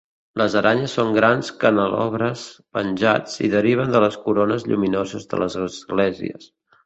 Les aranyes són grans canelobres penjats i deriven de les corones lluminoses de les esglésies.